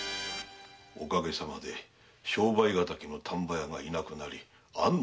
お陰さまで商売敵の丹波屋がいなくなり安堵しました。